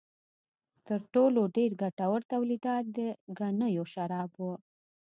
تر ټولو ډېر ګټور تولیدات د ګنیو شراب و.